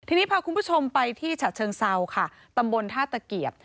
ทีนี้พาคุณผู้ชมไปที่ฉะเชิงเซาค่ะตำบลท่าตะเกียบ